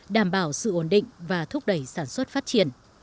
đảm bảo sự ổn định và thúc đẩy sản xuất phát triển